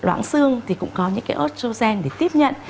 loãng xương thì cũng có những cái ostrogen để tiếp nhận